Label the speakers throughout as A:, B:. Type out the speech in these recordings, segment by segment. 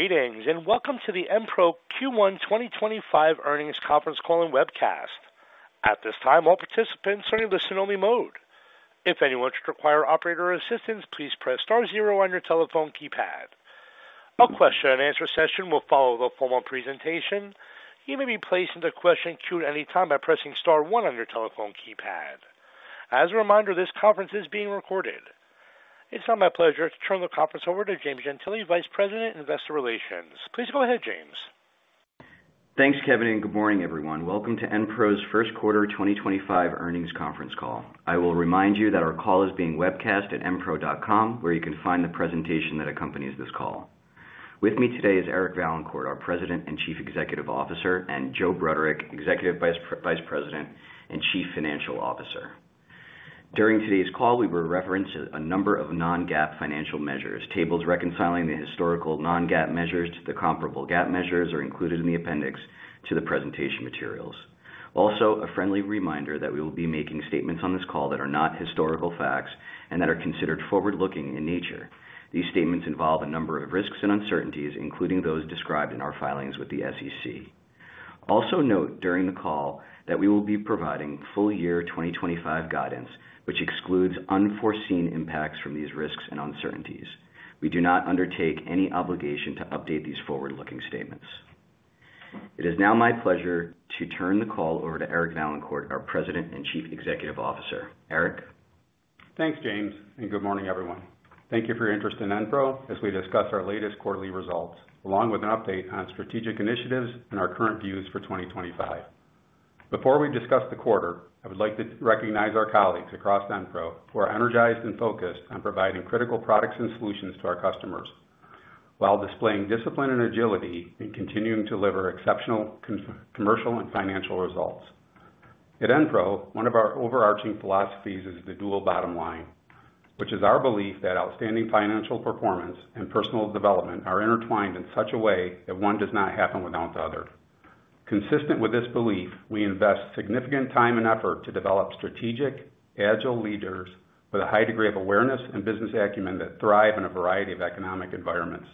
A: Greetings and welcome to the Enpro Q1 2025 Earnings Conference Call and Webcast. At this time, all participants are in listen-only mode. If anyone should require operator assistance, please press star zero on your telephone keypad. A question-and-answer session will follow the formal presentation. You may be placed into question queue at any time by pressing star one on your telephone keypad. As a reminder, this conference is being recorded. It's now my pleasure to turn the conference over to James Gentile, Vice President, Investor Relations. Please go ahead, James.
B: Thanks, Kevin, and good morning, everyone. Welcome to Enpro's first quarter 2025 earnings conference call. I will remind you that our call is being webcast at enpro.com, where you can find the presentation that accompanies this call. With me today is Eric Vaillancourt, our President and Chief Executive Officer, and Joe Bruderek, Executive Vice President and Chief Financial Officer. During today's call, we will reference a number of non-GAAP financial measures. Tables reconciling the historical non-GAAP measures to the comparable GAAP measures are included in the appendix to the presentation materials. Also, a friendly reminder that we will be making statements on this call that are not historical facts and that are considered forward-looking in nature. These statements involve a number of risks and uncertainties, including those described in our filings with the SEC. Also note during the call that we will be providing full year 2025 guidance, which excludes unforeseen impacts from these risks and uncertainties. We do not undertake any obligation to update these forward-looking statements. It is now my pleasure to turn the call over to Eric Vaillancourt, our President and Chief Executive Officer. Eric?
C: Thanks, James, and good morning, everyone. Thank you for your interest in Enpro as we discuss our latest quarterly results, along with an update on strategic initiatives and our current views for 2025. Before we discuss the quarter, I would like to recognize our colleagues across Enpro who are energized and focused on providing critical products and solutions to our customers while displaying discipline and agility in continuing to deliver exceptional commercial and financial results. At Enpro, one of our overarching philosophies is the dual bottom line, which is our belief that outstanding financial performance and personal development are intertwined in such a way that one does not happen without the other. Consistent with this belief, we invest significant time and effort to develop strategic, agile leaders with a high degree of awareness and business acumen that thrive in a variety of economic environments.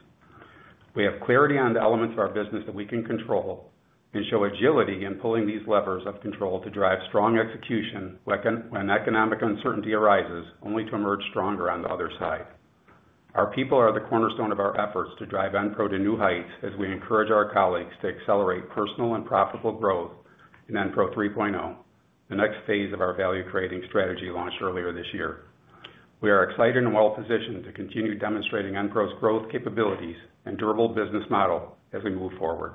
C: We have clarity on the elements of our business that we can control and show agility in pulling these levers of control to drive strong execution when economic uncertainty arises, only to emerge stronger on the other side. Our people are the cornerstone of our efforts to drive Enpro to new heights as we encourage our colleagues to accelerate personal and profitable growth in Enpro 3.0, the next phase of our value-creating strategy launched earlier this year. We are excited and well-positioned to continue demonstrating Enpro's growth capabilities and durable business model as we move forward.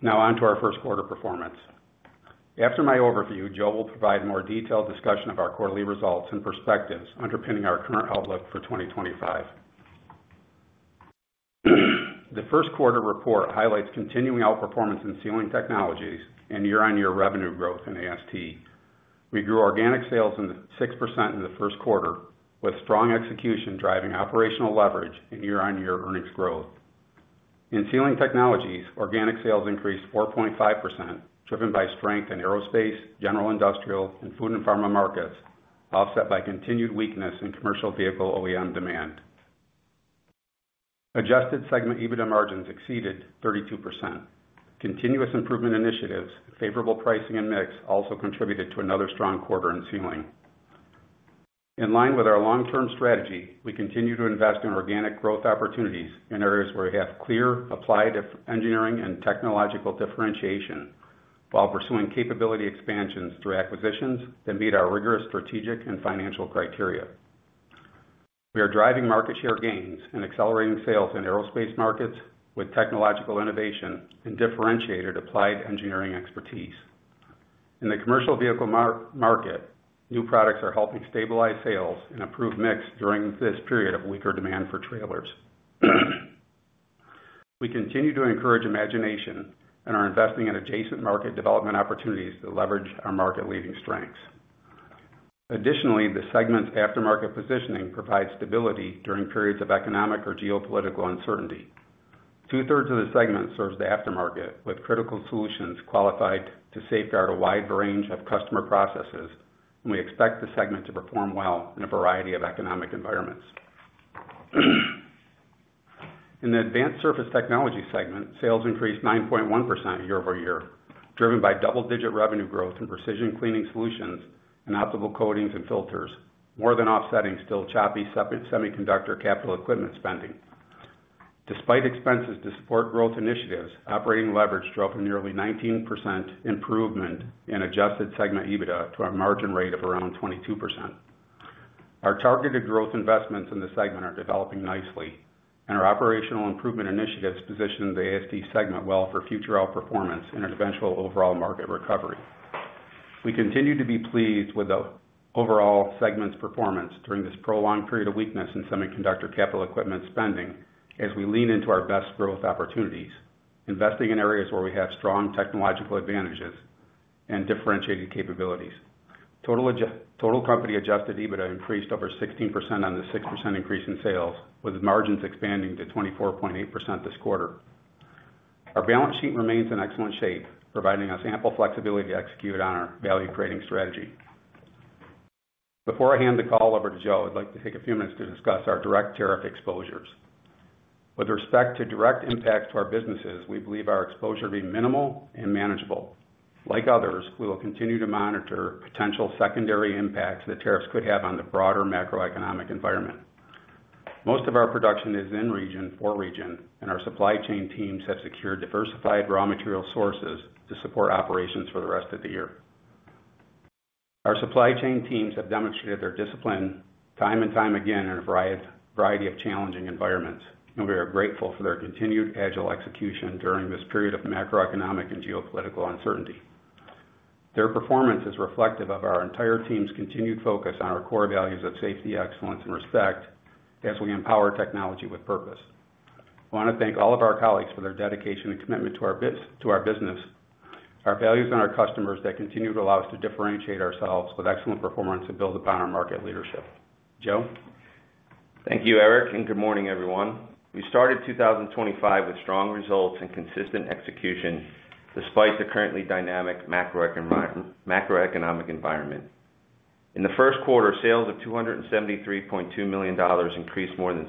C: Now on to our first quarter performance. After my overview, Joe will provide a more detailed discussion of our quarterly results and perspectives underpinning our current outlook for 2025. The first quarter report highlights continuing outperformance in sealing technologies and year-on-year revenue growth in AST. We grew organic sales 6% in the first quarter, with strong execution driving operational leverage and year-on-year earnings growth. In Sealing Technologies, organic sales increased 4.5%, driven by strength in aerospace, general industrial, and food and pharma markets, offset by continued weakness in commercial vehicle OEM demand. Adjusted segment EBITDA margins exceeded 32%. Continuous improvement initiatives and favorable pricing and mix also contributed to another strong quarter in Sealing. In line with our long-term strategy, we continue to invest in organic growth opportunities in areas where we have clear applied engineering and technological differentiation while pursuing capability expansions through acquisitions that meet our rigorous strategic and financial criteria. We are driving market share gains and accelerating sales in aerospace markets with technological innovation and differentiated applied engineering expertise. In the commercial vehicle market, new products are helping stabilize sales and improve mix during this period of weaker demand for trailers. We continue to encourage imagination and are investing in adjacent market development opportunities to leverage our market-leading strengths. Additionally, the segment's aftermarket positioning provides stability during periods of economic or geopolitical uncertainty. Two-thirds of the segment serves the aftermarket with critical solutions qualified to safeguard a wide range of customer processes, and we expect the segment to perform well in a variety of economic environments. In the advanced surface technology segment, sales increased 9.1% year-over-year, driven by double-digit revenue growth in precision cleaning solutions and optical coatings and filters, more than offsetting still choppy semiconductor capital equipment spending. Despite expenses to support growth initiatives, operating leverage drove a nearly 19% improvement in adjusted segment EBITDA to a margin rate of around 22%. Our targeted growth investments in the segment are developing nicely, and our operational improvement initiatives position the AST segment well for future outperformance and eventual overall market recovery. We continue to be pleased with the overall segment's performance during this prolonged period of weakness in semiconductor capital equipment spending as we lean into our best growth opportunities, investing in areas where we have strong technological advantages and differentiated capabilities. Total company adjusted EBITDA increased over 16% on the 6% increase in sales, with margins expanding to 24.8% this quarter. Our balance sheet remains in excellent shape, providing us ample flexibility to execute on our value-creating strategy. Before I hand the call over to Joe, I'd like to take a few minutes to discuss our direct tariff exposures. With respect to direct impacts to our businesses, we believe our exposure to be minimal and manageable. Like others, we will continue to monitor potential secondary impacts that tariffs could have on the broader macroeconomic environment. Most of our production is in region for region, and our supply chain teams have secured diversified raw material sources to support operations for the rest of the year. Our supply chain teams have demonstrated their discipline time and time again in a variety of challenging environments, and we are grateful for their continued agile execution during this period of macroeconomic and geopolitical uncertainty. Their performance is reflective of our entire team's continued focus on our core values of safety, excellence, and respect as we empower technology with purpose. I want to thank all of our colleagues for their dedication and commitment to our business, our values, and our customers that continue to allow us to differentiate ourselves with excellent performance and build upon our market leadership. Joe?
D: Thank you, Eric, and good morning, everyone. We started 2025 with strong results and consistent execution despite the currently dynamic macroeconomic environment. In the first quarter, sales of $273.2 million increased more than 6%,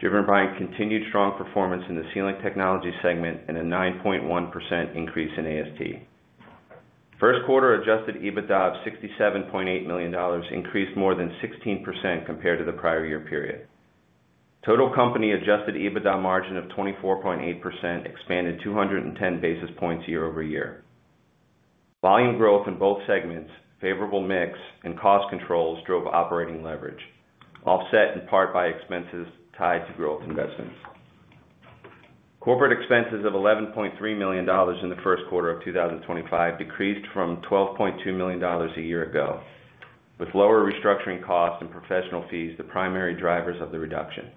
D: driven by continued strong performance in the sealing technologies segment and a 9.1% increase in AST. First quarter adjusted EBITDA of $67.8 million increased more than 16% compared to the prior year period. Total company adjusted EBITDA margin of 24.8% expanded 210 basis points year-over-year. Volume growth in both segments, favorable mix, and cost controls drove operating leverage, offset in part by expenses tied to growth investments. Corporate expenses of $11.3 million in the first quarter of 2025 decreased from $12.2 million a year ago, with lower restructuring costs and professional fees the primary drivers of the reduction.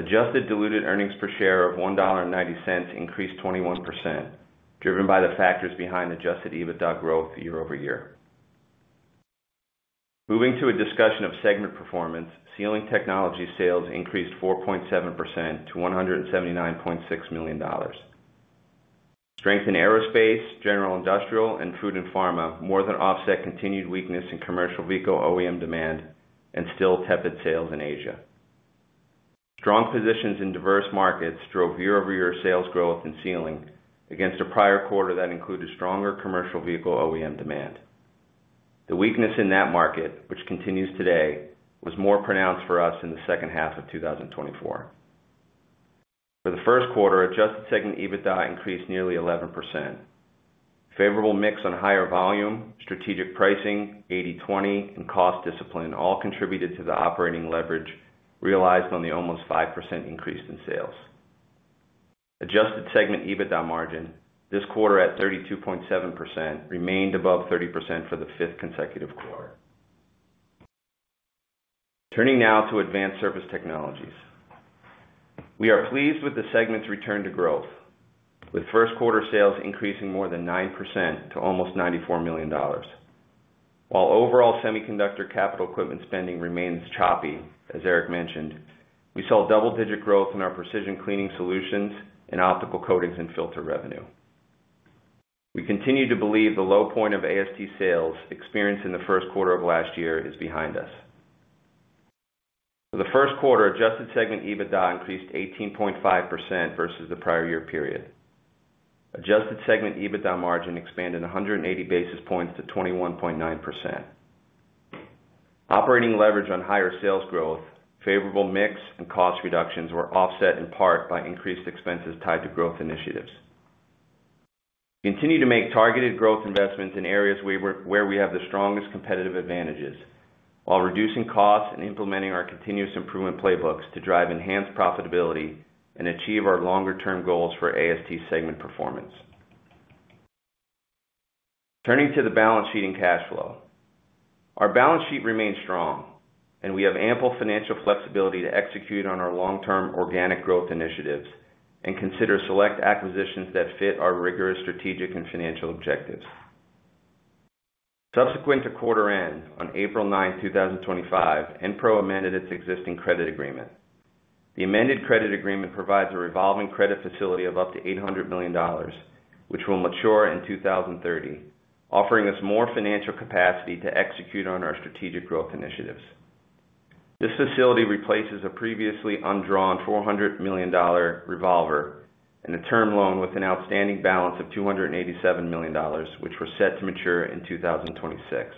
D: Adjusted diluted earnings per share of $1.90 increased 21%, driven by the factors behind adjusted EBITDA growth year-over-year. Moving to a discussion of segment performance, Sealing Technologies sales increased 4.7% to $179.6 million. Strength in aerospace, general industrial, and food and pharma more than offset continued weakness in commercial vehicle OEM demand and still tepid sales in Asia. Strong positions in diverse markets drove year-over-year sales growth in Sealing against a prior quarter that included stronger commercial vehicle OEM demand. The weakness in that market, which continues today, was more pronounced for us in the second half of 2024. For the first quarter, adjusted segment EBITDA increased nearly 11%. Favorable mix on higher volume, strategic pricing, 80/20, and cost discipline all contributed to the operating leverage realized on the almost 5% increase in sales. Adjusted segment EBITDA margin, this quarter at 32.7%, remained above 30% for the fifth consecutive quarter. Turning now to Advanced Surface Technologies. We are pleased with the segment's return to growth, with first quarter sales increasing more than 9% to almost $94 million. While overall semiconductor capital equipment spending remains choppy, as Eric mentioned, we saw double-digit growth in our precision cleaning solutions and optical coatings and filter revenue. We continue to believe the low point of AST sales experienced in the first quarter of last year is behind us. For the first quarter, adjusted segment EBITDA increased 18.5% versus the prior year period. Adjusted segment EBITDA margin expanded 180 basis points to 21.9%. Operating leverage on higher sales growth, favorable mix, and cost reductions were offset in part by increased expenses tied to growth initiatives. We continue to make targeted growth investments in areas where we have the strongest competitive advantages while reducing costs and implementing our continuous improvement playbooks to drive enhanced profitability and achieve our longer-term goals for AST segment performance. Turning to the balance sheet and cash flow. Our balance sheet remains strong, and we have ample financial flexibility to execute on our long-term organic growth initiatives and consider select acquisitions that fit our rigorous strategic and financial objectives. Subsequent to quarter end on April 9, 2025, Enpro amended its existing credit agreement. The amended credit agreement provides a revolving credit facility of up to $800 million, which will mature in 2030, offering us more financial capacity to execute on our strategic growth initiatives. This facility replaces a previously undrawn $400 million revolver and a term loan with an outstanding balance of $287 million, which were set to mature in 2026.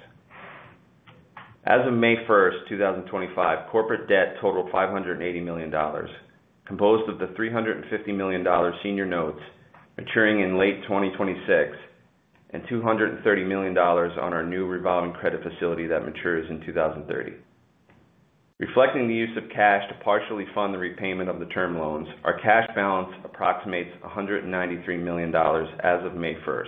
D: As of May 1, 2025, corporate debt totaled $580 million, composed of the $350 million senior notes maturing in late 2026, and $230 million on our new revolving credit facility that matures in 2030. Reflecting the use of cash to partially fund the repayment of the term loans, our cash balance approximates $193 million as of May 1.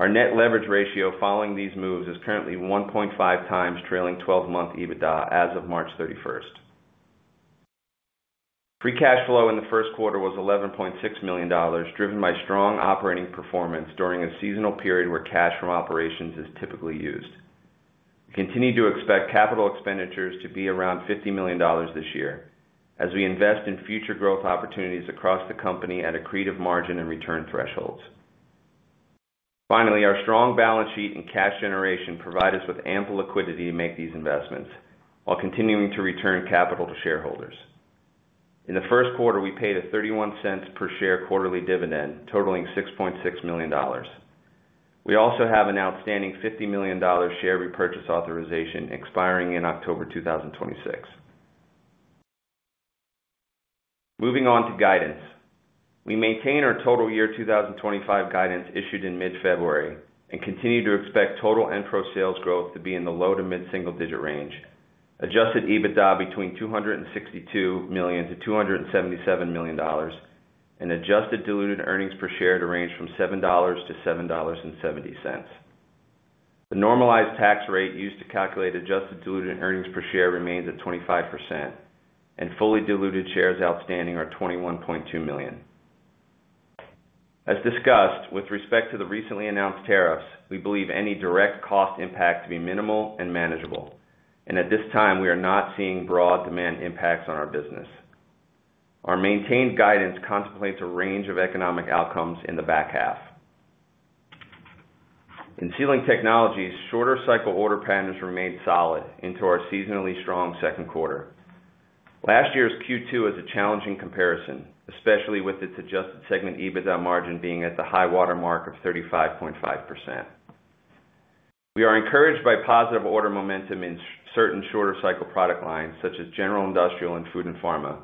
D: Our net leverage ratio following these moves is currently 1.5 times trailing 12-month EBITDA as of March 31. Free cash flow in the first quarter was $11.6 million, driven by strong operating performance during a seasonal period where cash from operations is typically used. We continue to expect capital expenditures to be around $50 million this year as we invest in future growth opportunities across the company at accretive margin and return thresholds. Finally, our strong balance sheet and cash generation provide us with ample liquidity to make these investments while continuing to return capital to shareholders. In the first quarter, we paid a $0.31 per share quarterly dividend totaling $6.6 million. We also have an outstanding $50 million share repurchase authorization expiring in October 2026. Moving on to guidance. We maintain our total year 2025 guidance issued in mid-February and continue to expect total Enpro sales growth to be in the low to mid-single-digit range, adjusted EBITDA between $262 million-$277 million, and adjusted diluted earnings per share to range from $7-$7.70. The normalized tax rate used to calculate adjusted diluted earnings per share remains at 25%, and fully diluted shares outstanding are 21.2 million. As discussed, with respect to the recently announced tariffs, we believe any direct cost impact to be minimal and manageable, and at this time, we are not seeing broad demand impacts on our business. Our maintained guidance contemplates a range of economic outcomes in the back half. In sealing technologies, shorter cycle order patterns remained solid into our seasonally strong second quarter. Last year's Q2 was a challenging comparison, especially with its adjusted segment EBITDA margin being at the high watermark of 35.5%. We are encouraged by positive order momentum in certain shorter cycle product lines, such as general industrial and food and pharma,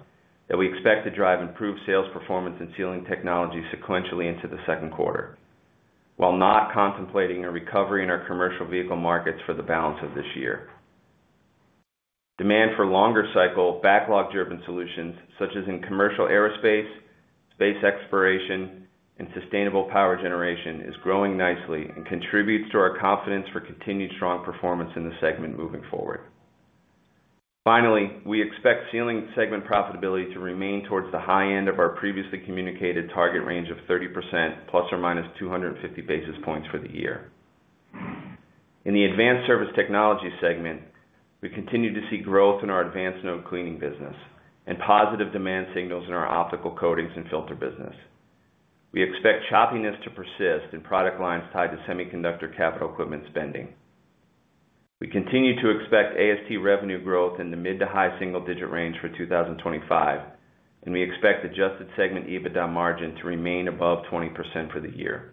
D: that we expect to drive improved sales performance in sealing technologies sequentially into the second quarter, while not contemplating a recovery in our commercial vehicle markets for the balance of this year. Demand for longer cycle backlog-driven solutions, such as in commercial aerospace, space exploration, and sustainable power generation, is growing nicely and contributes to our confidence for continued strong performance in the segment moving forward. Finally, we expect Sealing Technologies segment profitability to remain towards the high end of our previously communicated target range of 30% plus or minus 250 basis points for the year. In the Advanced Surface Technology segment, we continue to see growth in our advanced node cleaning business and positive demand signals in our optical coatings and filter business. We expect choppiness to persist in product lines tied to semiconductor capital equipment spending. We continue to expect AST revenue growth in the mid to high single-digit range for 2025, and we expect adjusted segment EBITDA margin to remain above 20% for the year.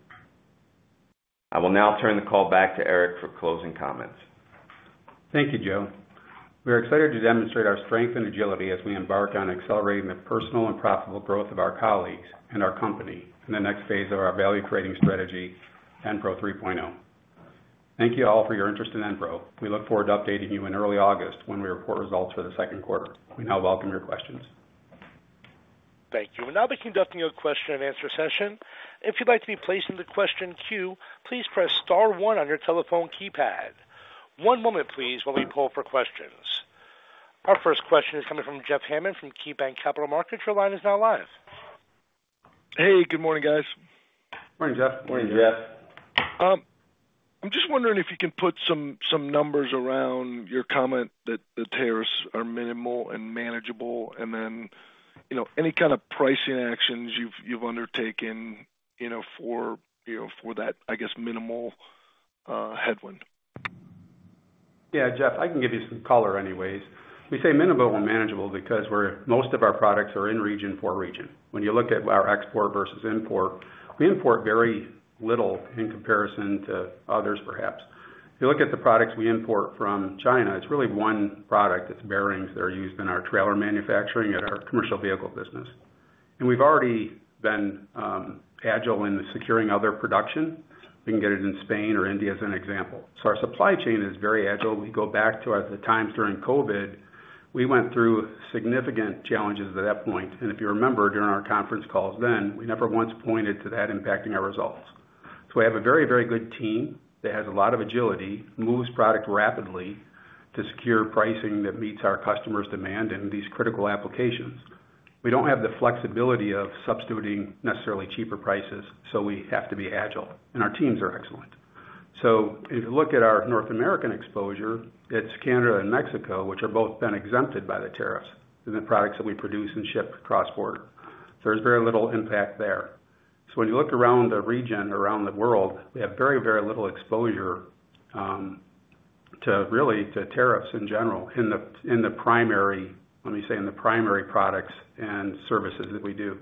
D: I will now turn the call back to Eric for closing comments.
C: Thank you, Joe. We are excited to demonstrate our strength and agility as we embark on accelerating the personal and profitable growth of our colleagues and our company in the next phase of our value-creating strategy, Enpro 3.0. Thank you all for your interest in Enpro. We look forward to updating you in early August when we report results for the second quarter. We now welcome your questions.
A: Thank you. I'll be conducting a question and answer session. If you'd like to be placed in the question queue, please press star one on your telephone keypad. One moment, please, while we pull for questions. Our first question is coming from Jeff Hammond from KeyBanc Capital Markets. Your line is now live.
E: Hey, good morning, guys.
D: Morning, Jeff.
C: Morning, Jeff.
E: I'm just wondering if you can put some numbers around your comment that the tariffs are minimal and manageable, and then any kind of pricing actions you've undertaken for that, I guess, minimal headwind.
C: Yeah, Jeff, I can give you some color anyways. We say minimal and manageable because most of our products are in region for region. When you look at our export versus import, we import very little in comparison to others, perhaps. If you look at the products we import from China, it's really one product that's bearings that are used in our trailer manufacturing and our commercial vehicle business. And we've already been agile in securing other production. We can get it in Spain or India, as an example. So our supply chain is very agile. We go back to the times during COVID. We went through significant challenges at that point. If you remember, during our conference calls then, we never once pointed to that impacting our results. We have a very, very good team that has a lot of agility, moves product rapidly to secure pricing that meets our customers' demand in these critical applications. We do not have the flexibility of substituting necessarily cheaper prices, so we have to be agile. Our teams are excellent. If you look at our North American exposure, it is Canada and Mexico, which have both been exempted by the tariffs in the products that we produce and ship cross-border. There is very little impact there. When you look around the region, around the world, we have very, very little exposure to tariffs in general in the primary, let me say, in the primary products and services that we do.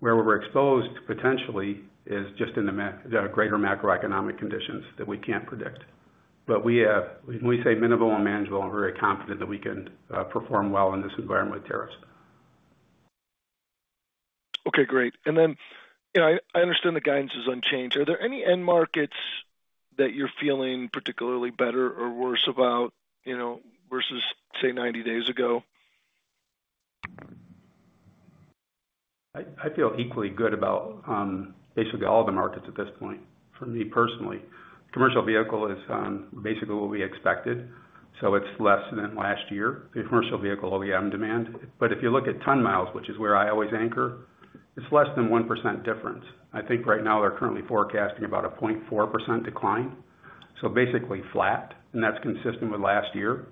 C: Where we are exposed potentially is just in the greater macroeconomic conditions that we cannot predict. When we say minimal and manageable, I'm very confident that we can perform well in this environment with tariffs.
E: Okay, great. I understand the guidance is unchanged. Are there any end markets that you're feeling particularly better or worse about versus, say, 90 days ago?
C: I feel equally good about basically all the markets at this point. For me personally, commercial vehicle is basically what we expected, so it's less than last year. The commercial vehicle will be on demand. If you look at ton miles, which is where I always anchor, it's less than 1% difference. I think right now they're currently forecasting about a 0.4% decline, so basically flat, and that's consistent with last year.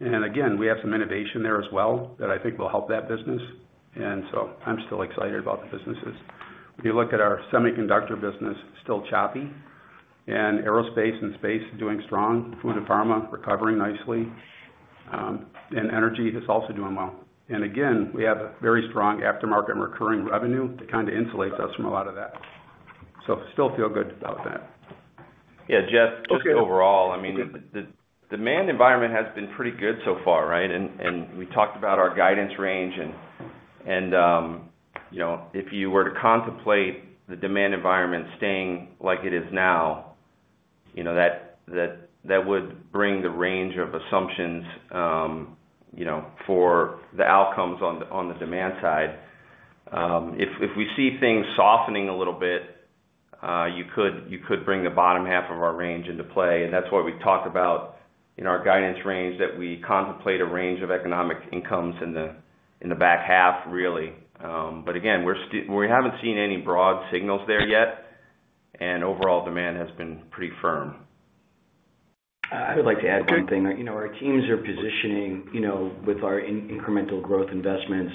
C: We have some innovation there as well that I think will help that business. I'm still excited about the businesses. When you look at our semiconductor business, still choppy, and aerospace and space doing strong, food and pharma recovering nicely, and energy is also doing well. We have a very strong aftermarket and recurring revenue that kind of insulates us from a lot of that. Still feel good about that.
D: Yeah, Jeff, just overall, I mean, the demand environment has been pretty good so far, right? We talked about our guidance range. If you were to contemplate the demand environment staying like it is now, that would bring the range of assumptions for the outcomes on the demand side. If we see things softening a little bit, you could bring the bottom half of our range into play. That is what we talked about in our guidance range, that we contemplate a range of economic incomes in the back half, really. Again, we have not seen any broad signals there yet, and overall demand has been pretty firm. I would like to add one thing. Our teams are positioning with our incremental growth investments,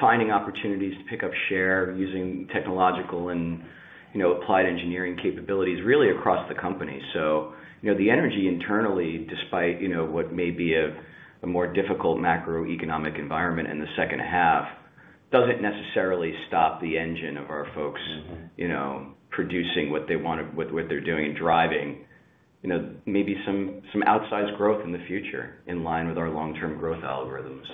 D: finding opportunities to pick up share using technological and applied engineering capabilities really across the company. The energy internally, despite what may be a more difficult macroeconomic environment in the second half, does not necessarily stop the engine of our folks producing what they want, what they are doing and driving. Maybe some outsized growth in the future in line with our long-term growth algorithms.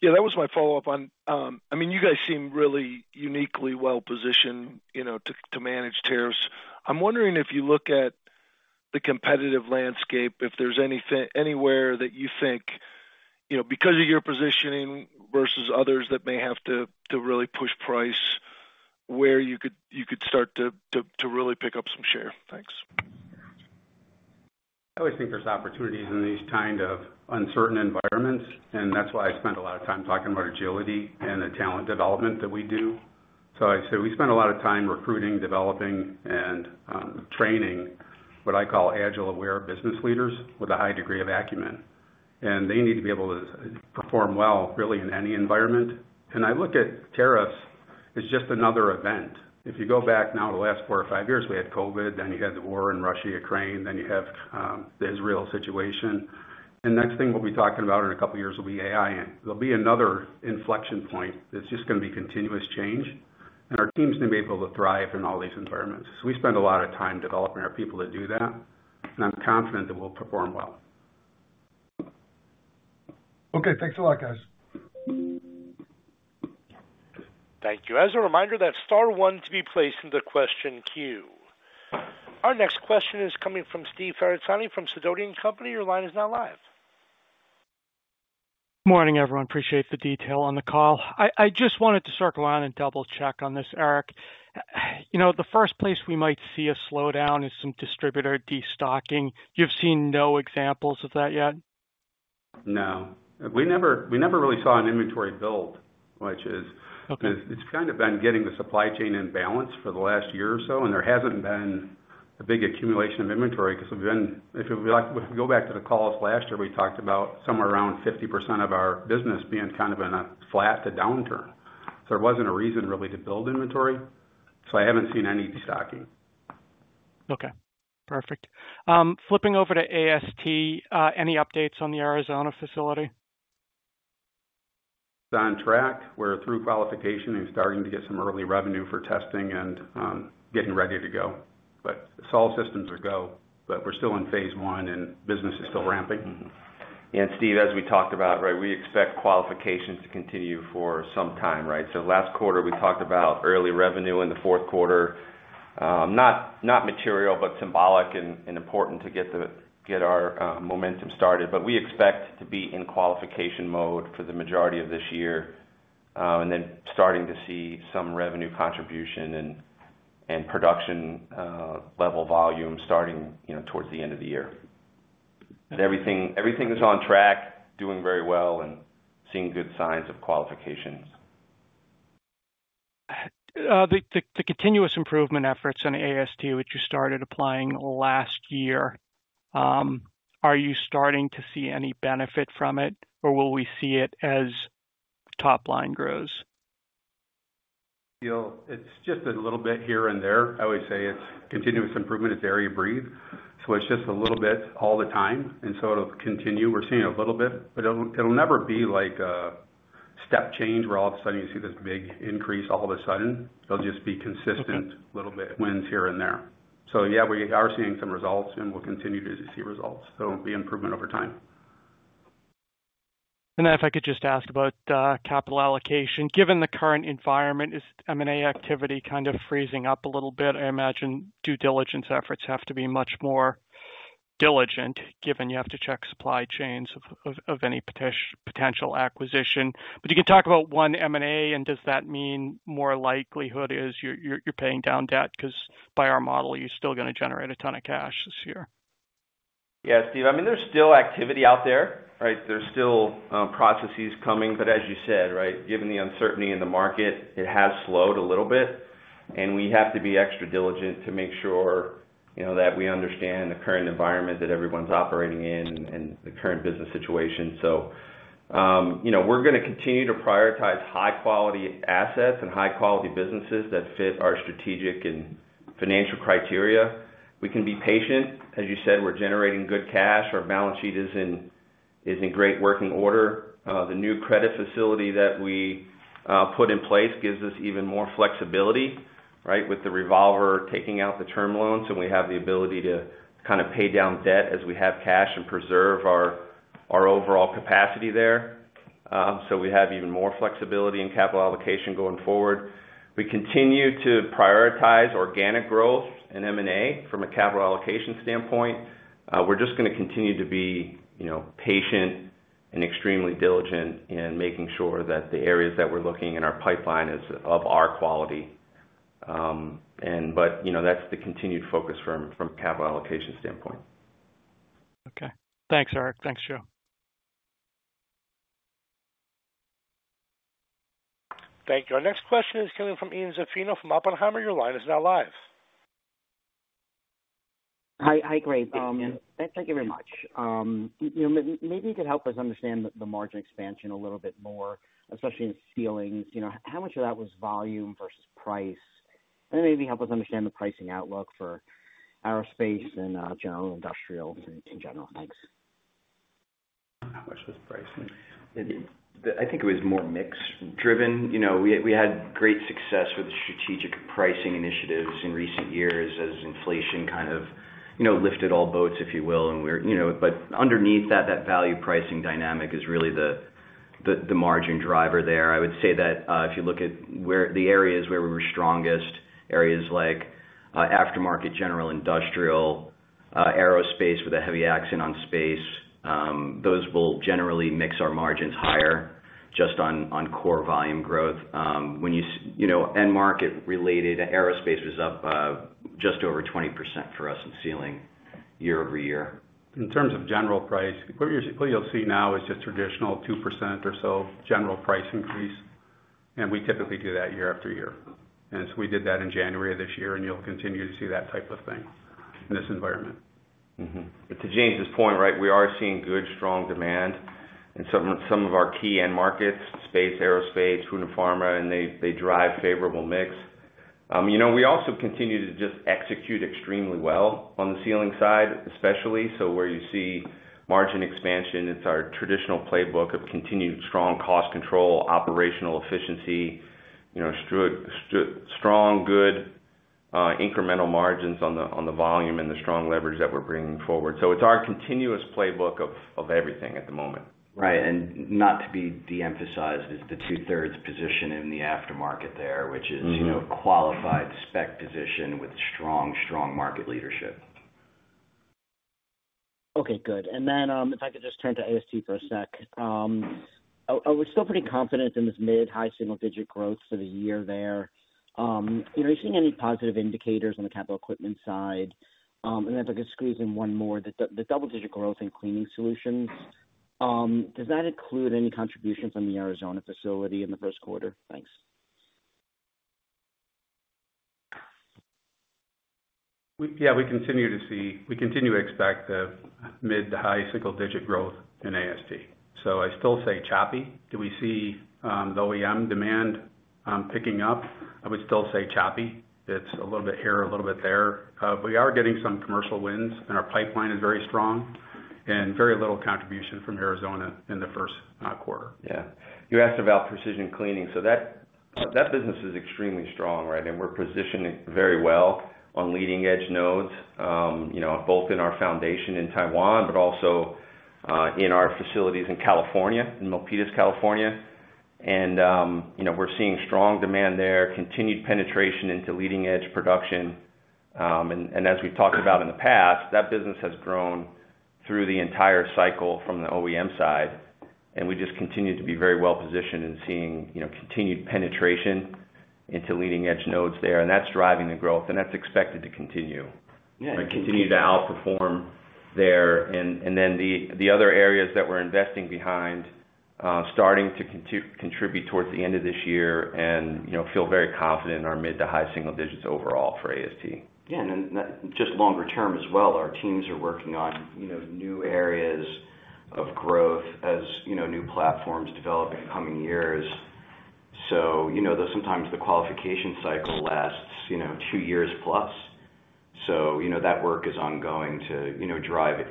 E: Yeah, that was my follow-up on, I mean, you guys seem really uniquely well-positioned to manage tariffs. I'm wondering if you look at the competitive landscape, if there's anywhere that you think, because of your positioning versus others that may have to really push price, where you could start to really pick up some share. Thanks.
C: I always think there's opportunities in these kind of uncertain environments, and that's why I spend a lot of time talking about agility and the talent development that we do. I say we spend a lot of time recruiting, developing, and training what I call agile-aware business leaders with a high degree of acumen. They need to be able to perform well really in any environment. I look at tariffs as just another event. If you go back now to the last four or five years, we had COVID, then you had the war in Russia, Ukraine, then you have the Israel situation. Next thing we'll be talking about in a couple of years will be AI, and there'll be another inflection point. It's just going to be continuous change, and our teams need to be able to thrive in all these environments. We spend a lot of time developing our people to do that, and I'm confident that we'll perform well.
E: Okay, thanks a lot, guys.
A: Thank you. As a reminder, that's star one to be placed in the question queue. Our next question is coming from Steve Ferazani from Sidoti & Company. Your line is now live.
F: Morning, everyone. Appreciate the detail on the call. I just wanted to circle around and double-check on this, Eric. The first place we might see a slowdown is some distributor destocking. You've seen no examples of that yet?
C: No. We never really saw an inventory build, which is, it's kind of been getting the supply chain in balance for the last year or so, and there hasn't been a big accumulation of inventory because we've been, if we go back to the calls last year, we talked about somewhere around 50% of our business being kind of in a flat to downturn. There wasn't a reason really to build inventory. I haven't seen any destocking.
F: Okay. Perfect. Flipping over to AST, any updates on the Arizona facility?
C: It's on track. We're through qualification and starting to get some early revenue for testing and getting ready to go. All systems are go, but we're still in phase one and business is still ramping.
D: Steve, as we talked about, right, we expect qualifications to continue for some time, right? Last quarter, we talked about early revenue in the fourth quarter, not material, but symbolic and important to get our momentum started. We expect to be in qualification mode for the majority of this year and then starting to see some revenue contribution and production level volume starting towards the end of the year. Everything is on track, doing very well, and seeing good signs of qualifications.
F: The continuous improvement efforts on AST, which you started applying last year, are you starting to see any benefit from it, or will we see it as top line grows?
C: It's just a little bit here and there. I always say it's continuous improvement. It's air you breathe. It's just a little bit all the time, and it will continue. We're seeing a little bit, but it will never be like a step change where all of a sudden you see this big increase all of a sudden. It will just be consistent little wins here and there. Yeah, we are seeing some results, and we'll continue to see results. There will be improvement over time.
F: If I could just ask about capital allocation, given the current environment, is M&A activity kind of freezing up a little bit? I imagine due diligence efforts have to be much more diligent given you have to check supply chains of any potential acquisition. You can talk about one M&A, and does that mean more likelihood is you're paying down debt because by our model, you're still going to generate a ton of cash this year?
D: Yeah, Steve, I mean, there's still activity out there, right? There's still processes coming. As you said, right, given the uncertainty in the market, it has slowed a little bit. We have to be extra diligent to make sure that we understand the current environment that everyone's operating in and the current business situation. We are going to continue to prioritize high-quality assets and high-quality businesses that fit our strategic and financial criteria. We can be patient. As you said, we're generating good cash. Our balance sheet is in great working order. The new credit facility that we put in place gives us even more flexibility, right, with the revolver taking out the term loans. We have the ability to kind of pay down debt as we have cash and preserve our overall capacity there. We have even more flexibility in capital allocation going forward. We continue to prioritize organic growth and M&A from a capital allocation standpoint. We're just going to continue to be patient and extremely diligent in making sure that the areas that we're looking in our pipeline are of our quality. That is the continued focus from a capital allocation standpoint.
F: Okay. Thanks, Eric. Thanks, Joe.
A: Thank you. Our next question is coming from Ian Zaffino from Oppenheimer. Your line is now live.
G: Hi, Greg. Thank you very much. Maybe you could help us understand the margin expansion a little bit more, especially in sealing. How much of that was volume versus price? Maybe help us understand the pricing outlook for aerospace and general industrials in general. Thanks.
D: How much was pricing? I think it was more mixed-driven. We had great success with the strategic pricing initiatives in recent years as inflation kind of lifted all boats, if you will. Underneath that, that value pricing dynamic is really the margin driver there. I would say that if you look at the areas where we were strongest, areas like aftermarket, general industrial, aerospace with a heavy accent on space, those will generally mix our margins higher just on core volume growth. When you end market related, aerospace was up just over 20% for us in sealing year over year.
C: In terms of general price, what you'll see now is just traditional 2% or so general price increase. We typically do that year after year. We did that in January of this year, and you'll continue to see that type of thing in this environment.
D: To James's point, right, we are seeing good, strong demand in some of our key end markets: space, aerospace, food and pharma, and they drive favorable mix. We also continue to just execute extremely well on the sealing side, especially so where you see margin expansion. It is our traditional playbook of continued strong cost control, operational efficiency, strong, good incremental margins on the volume, and the strong leverage that we are bringing forward. It is our continuous playbook of everything at the moment. Right. Not to be de-emphasized is the two-thirds position in the aftermarket there, which is a qualified spec position with strong, strong market leadership.
G: Okay, good. If I could just turn to AST for a sec, we're still pretty confident in this mid-high single-digit growth for the year there. Are you seeing any positive indicators on the capital equipment side? If I could squeeze in one more, the double-digit growth in cleaning solutions, does that include any contributions on the Arizona facility in the first quarter? Thanks.
C: Yeah, we continue to see, we continue to expect the mid-to-high single-digit growth in AST. I still say choppy. Do we see the OEM demand picking up? I would still say choppy. It's a little bit here, a little bit there. We are getting some commercial wins, and our pipeline is very strong and very little contribution from Arizona in the first quarter.
D: Yeah. You asked about precision cleaning. That business is extremely strong, right? We're positioned very well on leading-edge nodes, both in our foundation in Taiwan, but also in our facilities in Milpitas, California. We're seeing strong demand there, continued penetration into leading-edge production. As we've talked about in the past, that business has grown through the entire cycle from the OEM side. We just continue to be very well-positioned in seeing continued penetration into leading-edge nodes there. That's driving the growth, and that's expected to continue. We continue to outperform there. The other areas that we're investing behind are starting to contribute towards the end of this year and feel very confident in our mid-to-high single digits overall for AST. Yeah. Just longer term as well, our teams are working on new areas of growth as new platforms develop in coming years. Sometimes the qualification cycle lasts two years plus. That work is ongoing to drive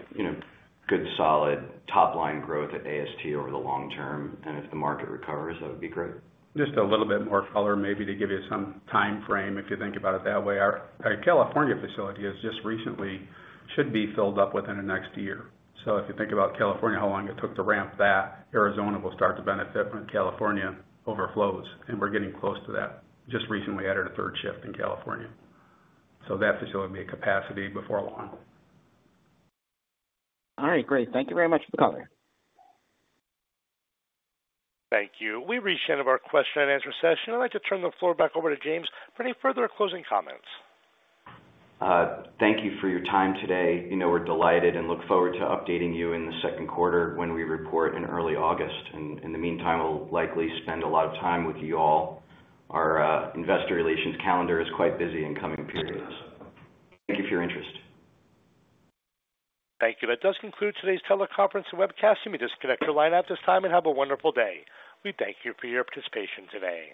D: good, solid top-line growth at AST over the long term. If the market recovers, that would be great.
C: Just a little bit more color maybe to give you some time frame if you think about it that way. Our California facility is just recently should be filled up within the next year. If you think about California, how long it took to ramp that, Arizona will start to benefit when California overflows. We are getting close to that. Just recently added a third shift in California. That facility will be at capacity before long.
G: All right, great. Thank you very much for the call.
A: Thank you. We reached the end of our question and answer session. I'd like to turn the floor back over to James for any further closing comments.
B: Thank you for your time today. We're delighted and look forward to updating you in the second quarter when we report in early August. In the meantime, we'll likely spend a lot of time with you all. Our investor relations calendar is quite busy in coming periods. Thank you for your interest.
A: Thank you. That does conclude today's teleconference and webcast. You may disconnect your line at this time and have a wonderful day. We thank you for your participation today.